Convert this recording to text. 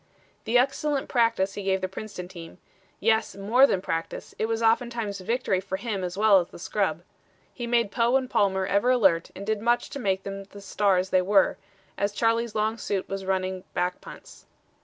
The excellent practice he gave the Princeton team yes, more than practice: it was oftentimes victory for him as well as the scrub. He made Poe and Palmer ever alert and did much to make them the stars they were, as Charlie's long suit was running back punts.